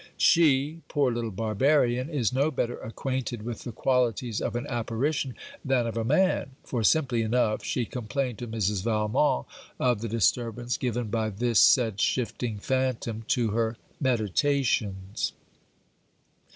She, poor little barbarian, is no better acquainted with the qualities of an apparition than of a man; for, simply enough, she complained to Mrs. Valmont of the disturbance given by this said shifting phantom to her meditations.